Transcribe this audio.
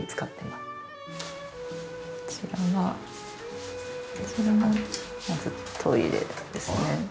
こちらがこちらがまずトイレですね。